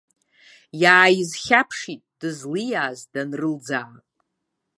Иааизхьаԥшит дызлиааз данрылӡаа.